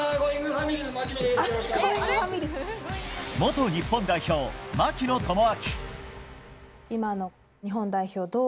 元日本代表、槙野智章。